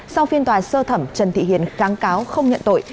sau phiên tòa sơ thẩm trần thị hiền kháng cáo không nhận tội